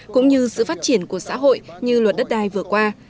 cũng như sự phát triển của xã hội như luật đất đai vừa qua